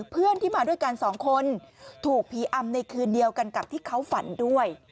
เพื่อนที่มาด้วยกันสองคนถูกผีอำในคืนเดียวกันกับที่เขาฝันด้วย